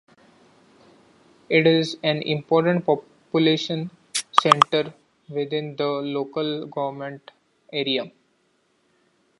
It is an important population centre within the local government area.